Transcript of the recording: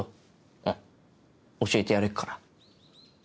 うん教えてやれっから。